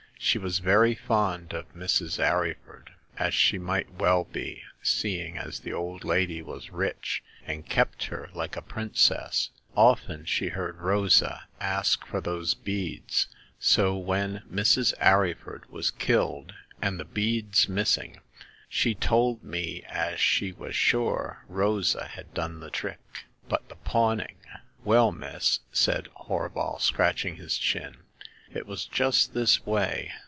She was very fond of Mrs. Arryford, as she well might be, seeing as the old lady was rich and kept her like a princess. Often she heard Rosa ask for those beads, so when Mrs. Arryford was killed and the beads missing she told me as she was sure Rosa had done the trick." But the pawning? *'" Well, miss," said Horval, scratching his chin, " it was just this way.